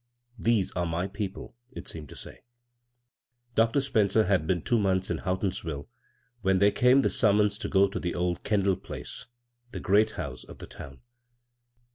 " These are my people," it seemed to say. Dr. Spencer had been two months in Houghtonsville when there came the sum mons to go to the old Kendall place — the " great house " of the town.